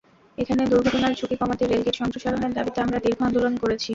এখানে দুর্ঘটনার ঝুঁকি কমাতে রেলগেট সম্প্রসারণের দাবিতে আমরা দীর্ঘ আন্দোলন করেছি।